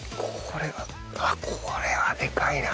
これはあっこれはでかいな。